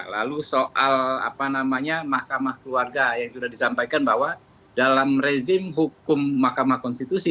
lalu soal apa namanya mahkamah keluarga yang sudah disampaikan bahwa dalam rezim hukum mahkamah konstitusi